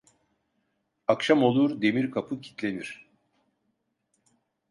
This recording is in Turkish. Akşam olur demir kapı kitlenir.